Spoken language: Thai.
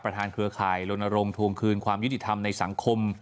เครือข่ายลนรงค์ทวงคืนความยุติธรรมในสังคม